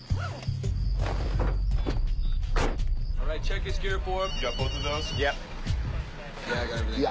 はい。